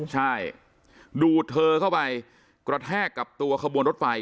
ใช่ดูดเธอเข้าไปกระแทกกับตัวขบวนรถไฟ